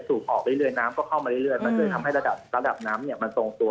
ออกเรื่อยน้ำก็เข้ามาเรื่อยมันก็เลยทำให้ระดับระดับน้ำเนี่ยมันทรงตัว